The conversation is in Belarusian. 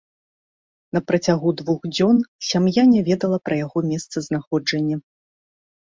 На працягу двух дзён сям'я не ведала пра яго месцазнаходжанне.